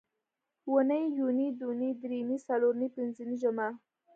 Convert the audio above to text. اونۍ، یونۍ، دونۍ، درېنۍ، څلورنۍ، پینځنۍ، جمعه